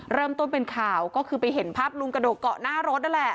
เริ่มต้นเป็นข่าวก็คือไปเห็นภาพลุงกระโดดเกาะหน้ารถนั่นแหละ